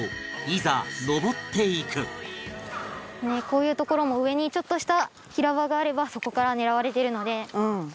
こういう所も上にちょっとした平場があればそこから狙われてるので。